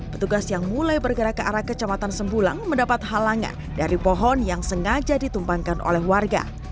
petugas yang mulai bergerak ke arah kecamatan sembulang mendapat halangan dari pohon yang sengaja ditumpangkan oleh warga